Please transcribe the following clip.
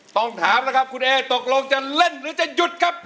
ต้องถามนะครับคุณเอตกลงจะเล่นหรือจะหยุดครับ